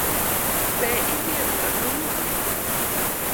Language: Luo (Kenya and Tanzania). Be idhi ebura kawuono?